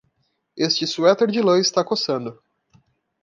Este suéter de lã está coçando.